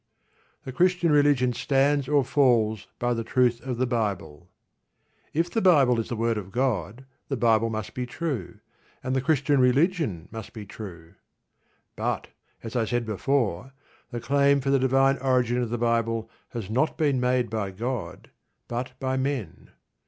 The Christian Religion stands or falls by the truth of the Bible. If the Bible is the word of God the Bible must be true, and the Christian Religion must be true. But, as I said before, the claim for the divine origin of the Bible has not been made by God, but by men.